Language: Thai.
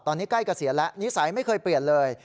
ตอนนี้ใกล้เกษียณแล้วนิสัยไม่เคยเปลี่ยนเลย